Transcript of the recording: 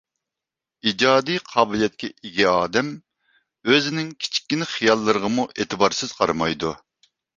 ئىجادىي قابىلىيەتكە ئىگە ئادەم ئۆزىنىڭ كىچىككىنە خىياللىرىغىمۇ ئېتىبارسىز قارىمايدۇ.